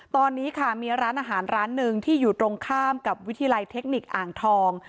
ตอนนี้ค่ะมีร้านอาหารร้านหนึ่งที่อยู่ตรงข้ามกับวิทยาลัยเทคนิคอ่างทอง